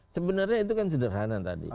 sebenarnya itu kan sederhana